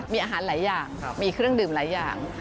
มีอาหารหลายอย่างมีเครื่องดื่มหลายอย่าง